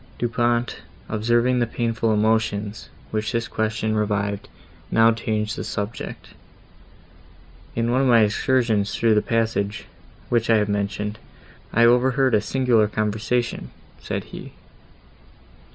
Du Pont, observing the painful emotions, which this question revived, now changed the subject. "In one of my excursions through the passage, which I have mentioned, I overheard a singular conversation," said he.